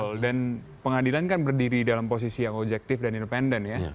betul dan pengadilan kan berdiri dalam posisi yang objektif dan independen ya